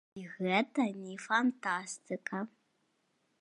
І гэта не фантастыка.